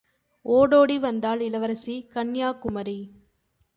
ஓடோடி வந்தாள் இளவரசி கன்யாகுமரி.